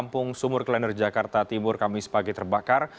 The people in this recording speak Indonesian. kampung sumur klender jakarta timur kamis pagi terbakar